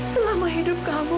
selama hidup kamu